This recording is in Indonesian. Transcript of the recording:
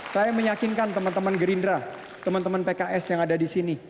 saya meyakinkan teman teman gerindra teman teman pks yang ada di sini